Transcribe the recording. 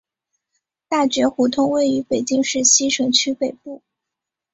大觉胡同位于北京市西城区北部。